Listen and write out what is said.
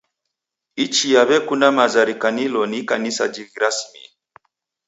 Ichia w'ekunda maza rikanilo ni Ikanisa jighirasimie.